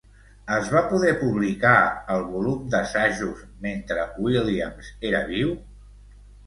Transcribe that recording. Es va poder publicar el volum d'assajos mentre Williams era viu?